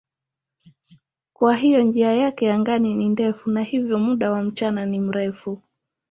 Kwa hiyo njia yake angani ni ndefu na hivyo muda wa mchana ni mrefu.